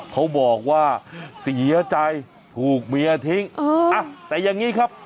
เขาบอกว่าเสียใจถูกเมียทิ้งแต่อย่างนี้ครับ